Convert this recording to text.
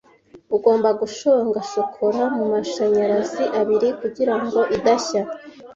Ugomba gushonga shokora mumashanyarazi abiri kugirango idashya.